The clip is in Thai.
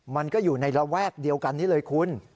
มันก็อยู่ในระแวกเดียวกันนี้เลยคุณ